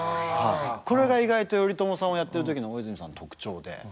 これが意外と頼朝さんをやってる時の大泉さんの特徴で。